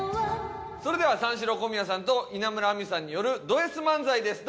それでは三四郎小宮さんと稲村亜美さんによるドＳ漫才です。